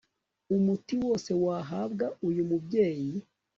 Umuti wose wahabwa uyu mubyeyi